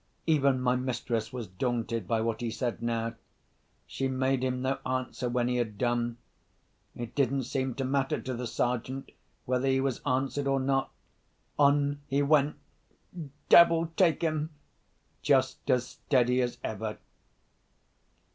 Even my mistress was daunted by what he said now. She made him no answer when he had done. It didn't seem to matter to the Sergeant whether he was answered or not. On he went (devil take him!), just as steady as ever.